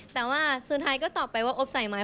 แต่ว่าสุดท้ายก็ตอบไปว่าโอ๊บใส่ไหม